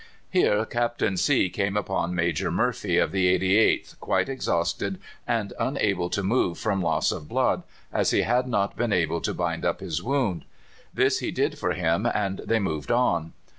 Here Captain C came upon Major Murphy, of the 88th, quite exhausted and unable to move from loss of blood, as he had not been able to bind up his wound. This he did for him, and they moved on.